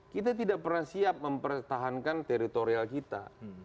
kita tidak pernah siap mempertahankan teritorial kita